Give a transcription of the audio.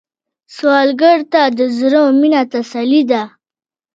سوالګر ته د زړه مينه تسلي ده